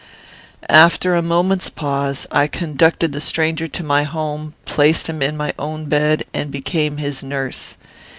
"After a moment's pause, I conducted the stranger to my home, placed him in my own bed, and became his nurse.